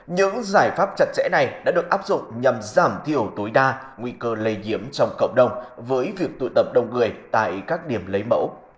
những giải pháp chặt chẽ này đã được áp dụng nhằm giảm thiểu tối đa nguy cơ lây nhiễm trong cộng đồng với việc tụ tập đông người tại các điểm lấy mẫu